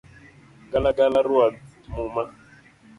Galagala ruadh muma